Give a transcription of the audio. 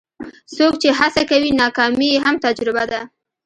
څوک چې هڅه کوي، ناکامي یې هم تجربه ده.